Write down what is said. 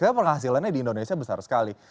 tapi penghasilannya di indonesia besar sekali